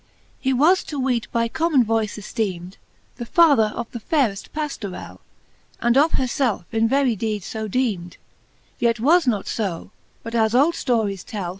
XIV. He was to weet by common voice efteemed The father of the fayreft Pajiorell, And of her felfe in very deede fo deemed ; Yet was not fo, but, as old ftories tell.